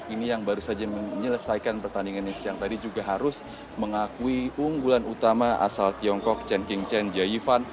ini yang baru saja menyelesaikan pertandingan yang siang tadi juga harus mengakui keunggulan utama asal tiongkok chen qingchen jia yifan